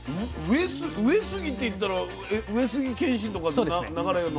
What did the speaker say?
上杉って言ったら上杉謙信とかの流れの？